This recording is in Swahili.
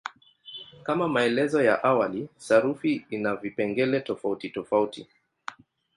Kama maelezo ya awali, sarufi ina vipengele tofautitofauti.